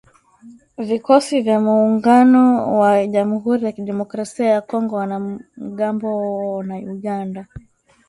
Vikosi vya Muungano wa jamuhuri ya Kidemokrasia ya Kongo wana mgambo na Uganda